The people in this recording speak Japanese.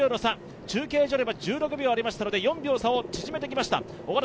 中継所では１６秒ありましたので４秒差を縮めてきました。